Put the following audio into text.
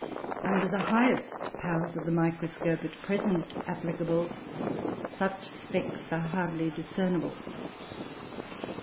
Under the highest powers of the microscope, at present applicable, such specks are hardly discernible.